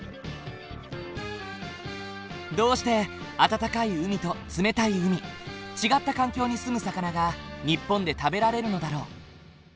どうして温かい海と冷たい海違った環境に住む魚が日本で食べられるのだろう？